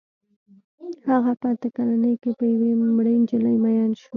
هغه په اته کلنۍ کې په یوې مړې نجلۍ مین شو